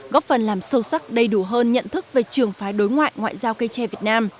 góp phần làm sâu sắc đầy đủ hơn nhận thức về trường phái đối ngoại ngoại giao cây tre việt nam